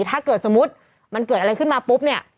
ถ้าเกิดสมมุติมันเกิดอะไรขึ้นมาปุ๊บเนี่ย